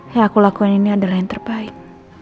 yang aku lakukan ini adalah yang terbaik